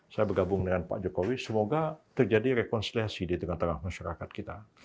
saya bergabung dengan pak jokowi semoga terjadi rekonsiliasi di tengah tengah masyarakat kita